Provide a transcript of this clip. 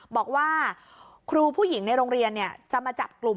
บอกว่าครูผู้หญิงในโรงเรียนจะมาจับกลุ่ม